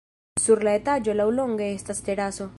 Sur la etaĝo laŭlonge estas teraso.